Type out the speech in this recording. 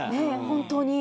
本当に。